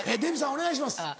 お願いします。